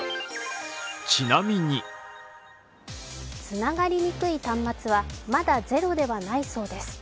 つながりにくい端末はまだゼロではないそうです。